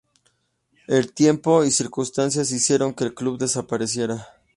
El tiempo y circunstancias hicieron que el club desapareciera.